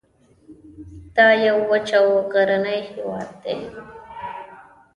دا یو وچ او غرنی هیواد دی